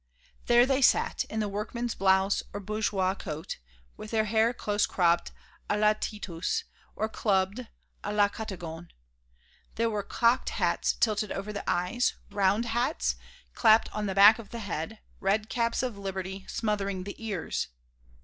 There they sat, in the workman's blouse or bourgeois coat, with their hair close cropped à la Titus or clubbed à la catogan; there were cocked hats tilted over the eyes, round hats clapped on the back of the head, red caps of liberty smothering the ears.